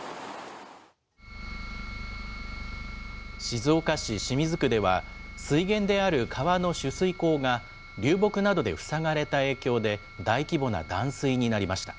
静岡市清水区では、水源である川の取水口が、流木などで塞がれた影響で、大規模な断水になりました。